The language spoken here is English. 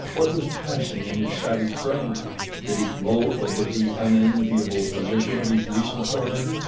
What was passing in his savage brain? Did he gloat over the unenviable position of his recent tormentor?